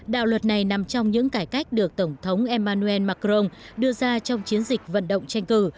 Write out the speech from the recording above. đạo luật này nằm trong những cải cách được tổng thống emmanuel macron đưa ra trong chiến dịch vận động tranh cử